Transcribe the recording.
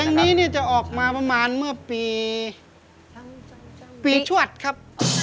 เพลงนี้จะออกมาประมาณเมื่อปีปีชวัตรครับ